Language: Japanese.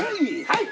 はい！